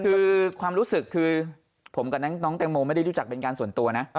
คือความรู้สึกคือผมกับน้องแตงโมไม่ได้รู้จักเป็นการส่วนตัวนะ